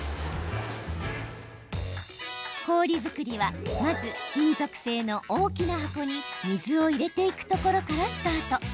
氷作りはまず金属製の大きな箱に水を入れていくところからスタート。